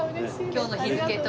今日の日付と。